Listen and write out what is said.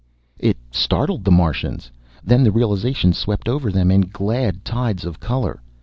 It startled the Martians. Then the realization swept over them in glad tides of color.